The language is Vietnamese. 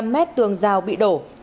hai mươi năm m tường rào bị đổ